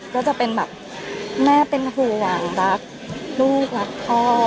ก็จะเป็นแบบแม่เป็นห่วงรักลูกรักพ่อ